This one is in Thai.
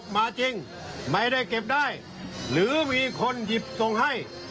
มาจริงไม่ได้เก็บได้หรือมีคนหยิบส่งให้